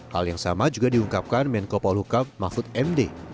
hal yang sama juga diungkapkan menko polhukam mahfud md